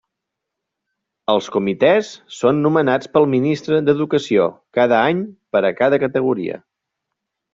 Els comitès són nomenats pel Ministre d'Educació cada any per a cada categoria.